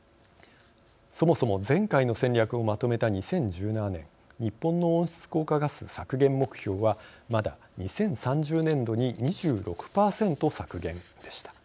そもそも前回の戦略をまとめた２０１７年日本の温室効果ガス削減目標はまだ、２０３０年度に２６％削減でした。